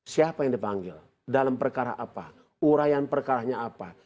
siapa yang dipanggil dalam perkara apa urayan perkaranya apa